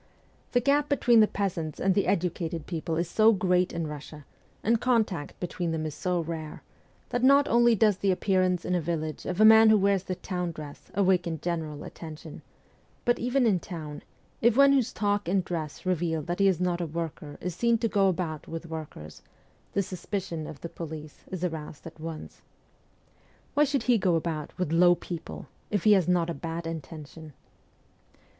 The gap between the peasants and the educated people is so great in Russia, and contact between them is so rare, that not only does the appearance in a village of a man who wears the town dress awaken general attention, but even in town, if one whose talk and dress reveal thai he is not a worker is seen to go about with workers, the suspicion of the police is aroused at once. ' Why should he go about with "low people," if he has not a bad intention